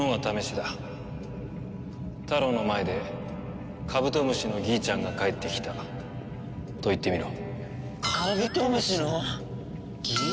タロウの前で「カブトムシのギイちゃんが帰ってきた」と言ってみろ。